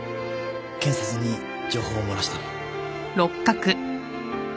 検察に情報を漏らしたの